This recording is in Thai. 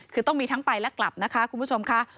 คือต้องมีทั้งไปและกลับนะคะคุณผู้ชมค่ะ